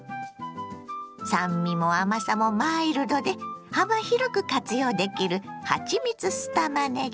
酸味も甘さもマイルドで幅広く活用できる「はちみつ酢たまねぎ」。